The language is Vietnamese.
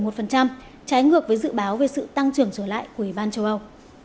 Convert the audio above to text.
trái ngược với dự báo về sự tăng trưởng trở lại của ủy ban châu âu